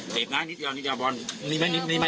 เจ็บไหมนิดเดี๋ยวนิดเดี๋ยวบอล